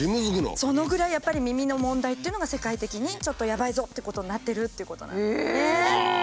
そのぐらいやっぱり耳の問題っていうのが世界的にちょっとやばいぞっていうことになってるっていうことなんですね。